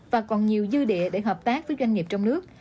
và còn nhiều dư địa để hợp tác với doanh nghiệp trong nước